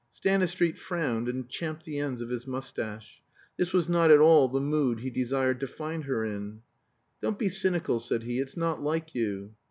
Stanistreet frowned and champed the ends of his mustache. This was not at all the mood he desired to find her in. "Don't be cynical," said he; "it's not like you."